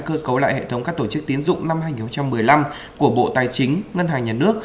cơ cấu lại hệ thống các tổ chức tiến dụng năm hai nghìn một mươi năm của bộ tài chính ngân hàng nhà nước